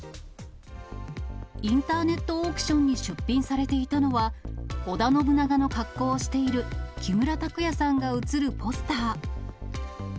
インターネットオークションに出品されていたのは、織田信長の格好をしている木村拓哉さんが写るポスター。